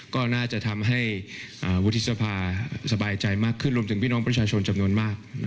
ก็น่าจะทำให้วุฒิสภาสบายใจมากขึ้นรวมถึงพี่น้องประชาชนจำนวนมาก